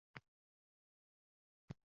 Uyga kirdi-uydan chiqdi.